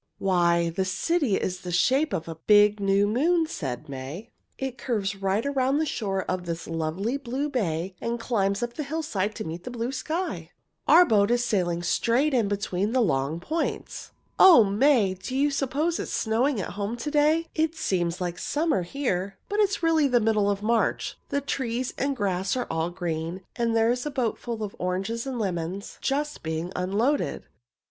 "Why, the city is the shape of a big, new moon," said May. "It curves right around the shore of this lovely, blue bay, and climbs up the hillside to meet the blue sky. Our boat is sailing straight in between the long points." "O May! Do you suppose it is snowing at home to day? It seems like summer here, but it is really the middle of March. The trees and the grass are all green. And there is a boat full of oranges and lemons just being unloaded."